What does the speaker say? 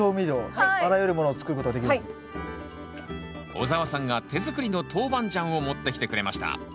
オザワさんが手作りのトウバンジャンを持ってきてくれました。